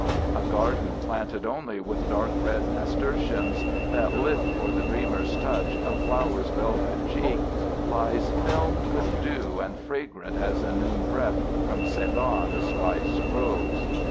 A garden planted only with dark red nasturtiums that lift for the dreamer's touch a flower's velvet cheek lies filmed with dew and fragrant as a noon breath from Ceylon spice groves.